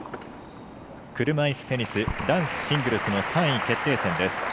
車いすテニス男子シングルスの３位決定戦です。